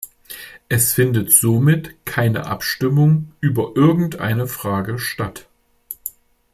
Es findet somit keine Abstimmung über irgendeine Frage statt.